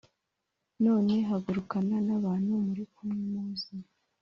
None hagurukana n abantu muri kumwe muze